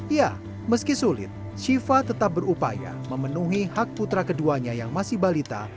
ya meski sulit syifa tetap berupaya memenuhi hak putra keduanya yang masih balita